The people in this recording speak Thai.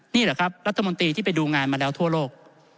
นี่เหรอครับรัฐมนตรีที่ไปดูงานมาแล้วทั่วโลก